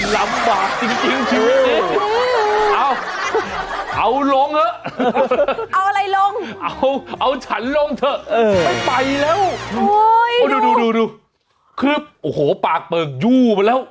ลำบากจริงเอาเอาลงเหอะเอาอะไรลงเอาฉันลงเถอะไปไปแล้วดูคืบโอ้โหปากเปิงยู่มาแล้ว